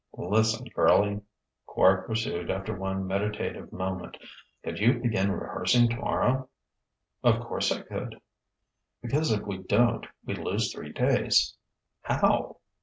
"Lis'n, girlie," Quard pursued after one meditative moment: "could you begin rehearsing tomorrow?" "Of course I could." "Because if we don't, we lose three days...." "How?"